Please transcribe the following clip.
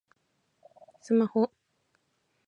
スマホ